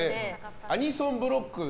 アニソンブロックでね。